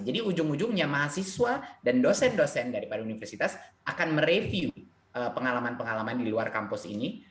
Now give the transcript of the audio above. jadi ujung ujungnya mahasiswa dan dosen dosen dari universitas akan mereview pengalaman pengalaman di luar kampus ini